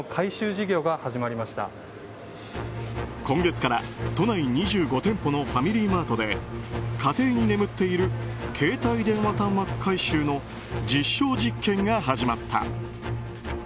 今月から都内２５店舗のファミリーマートで家庭に眠っている携帯電話端末回収の実証実験が始まった。